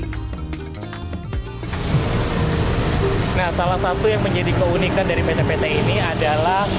nah salah satu yang menjadi keunikan dari pt pt ini adalah